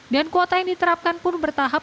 dan kuota yang diterapkan pun bertahap